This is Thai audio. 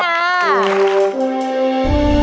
ขอบคุณคุณคุณครับ